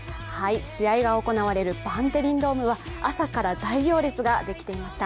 試合が行われるバンテリンドームは朝から大行列ができていました。